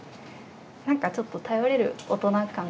なんかちょっと頼れる大人感。